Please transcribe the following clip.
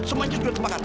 semuanya juga terbakar